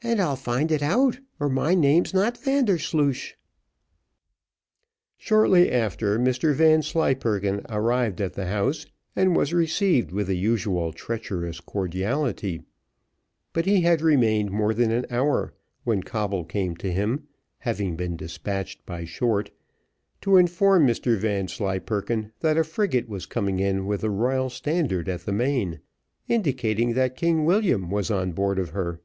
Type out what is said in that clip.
and I'll find it out, or my name is not Vandersloosh." Shortly after, Mr Vanslyperken arrived at the house and was received with the usual treacherous cordiality; but he had not remained more than an hour when Coble came to him (having been despatched by Short), to inform Mr Vanslyperken that a frigate was coming in with the royal standard at the main, indicating that King William was on board of her.